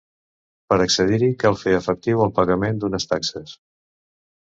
Per accedir-hi cal fer efectiu el pagament d'unes taxes.